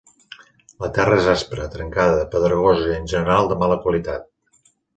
La terra és aspra, trencada, pedregosa, i en general de mala qualitat.